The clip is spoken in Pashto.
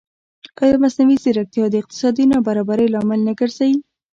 ایا مصنوعي ځیرکتیا د اقتصادي نابرابرۍ لامل نه ګرځي؟